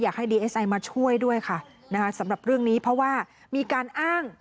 อยากให้ดีเอสไอมาช่วยด้วยค่ะนะคะสำหรับเรื่องนี้เพราะว่ามีการอ้าง